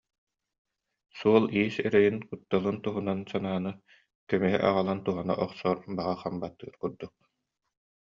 Суол-иис эрэйин, кутталын туһунан санааны көмүһү аҕалан туһана охсор баҕа хам баттыыр курдук